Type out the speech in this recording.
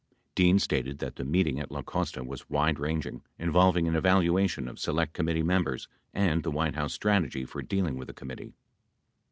3 Dean stated that the meeting at La Costa was wide ranging, involving an evaluation of Select Committee members and the White House strategy for dealing with the committee.